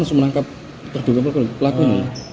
langsung menangkap terduga pelakon